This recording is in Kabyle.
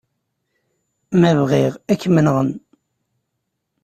Ma bɣiɣ, ad kem-nɣen.